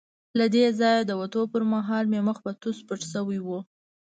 له دې ځایه د وتو پر مهال مې مخ په توس پټ شوی وو.